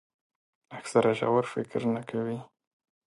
اکثره ژور فکر نه کوي.